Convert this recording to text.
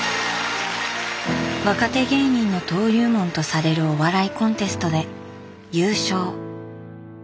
「若手芸人の登竜門」とされるお笑いコンテストで優勝。